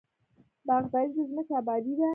باغداري د ځمکې ابادي ده.